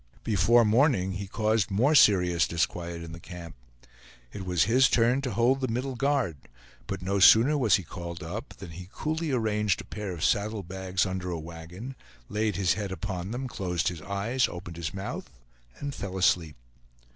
Before morning he caused more serious disquiet in the camp. It was his turn to hold the middle guard; but no sooner was he called up, than he coolly arranged a pair of saddle bags under a wagon, laid his head upon them, closed his eyes, opened his mouth and fell asleep.